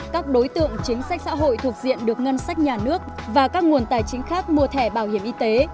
các đối tượng chính sách xã hội thuộc diện được ngân sách nhà nước và các nguồn tài chính khác mua thẻ bảo hiểm y tế